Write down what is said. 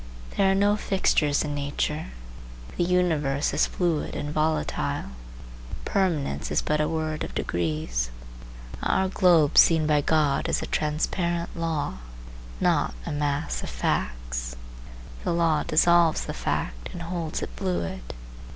There are no fixtures in nature. The universe is fluid and volatile. Permanence is but a word of degrees. Our globe seen by God is a transparent law, not a mass of facts. The law dissolves the fact and holds it fluid.